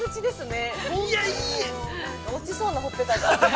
◆落ちそうな、ほっぺたが。